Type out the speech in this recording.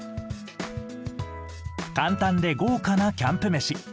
簡単で豪華なキャンプ飯。